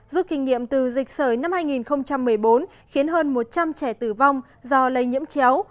rút kinh nghiệm từ dịch sởi năm hai nghìn một mươi bốn khiến hơn một trăm linh trẻ tử vong do lây nhiễm chéo